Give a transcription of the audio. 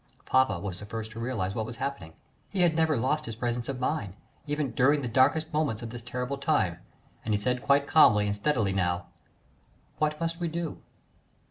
Papa was the first to realise what was happening: he had never lost his presence of mind, even during the darkest moment of this terrible time, and he said quite calmly and steadily now: "What must we do?"